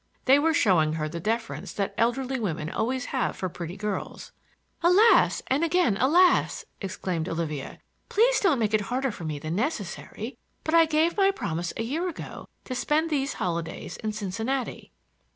They were showing her the deference that elderly women always have for pretty girls. "Alas, and again alas!" exclaimed Olivia. "Please don't make it harder for me than necessary. But I gave my promise a year ago to spend these holidays in Cincinnati."